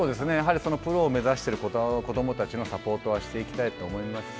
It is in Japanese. プロを目指している子どもたちのサポートはしていきたいと思いますし